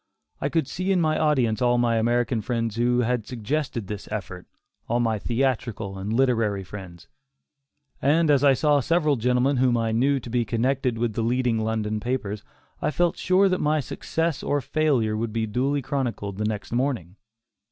I could see in my audience all my American friends who had suggested this effort; all my theatrical and literary friends; and as I saw several gentlemen whom I knew to be connected with the leading London papers, I felt sure that my success or failure would be duly chronicled next morning.